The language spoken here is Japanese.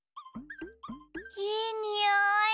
いいにおい！